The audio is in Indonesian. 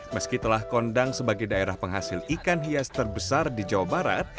meski telah kondang sebagai daerah penghasil ikan hias terbesar di jawa barat